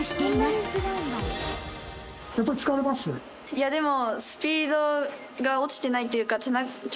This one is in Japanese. いやでも。